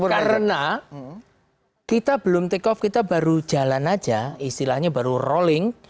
karena kita belum take off kita baru jalan aja istilahnya baru rolling